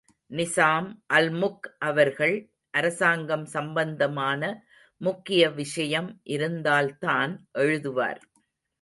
நிசாம் அல்முக் அவர்கள், அரசாங்கம் சம்பந்தமான முக்கிய விஷயம் இருந்தால்தான் எழுதுவார்.